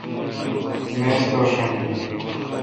میز تو ݭن این۔